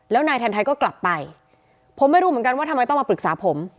แล้วนายแทนไทยก็กลับไปผมไม่รู้เหมือนกันว่าทำไมต้องมาปรึกษาผม